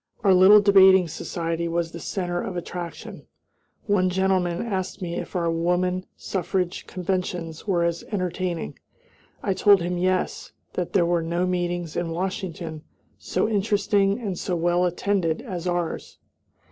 Our little debating society was the center of attraction. One gentleman asked me if our woman suffrage conventions were as entertaining. I told him yes; that there were no meetings in Washington so interesting and so well attended as ours.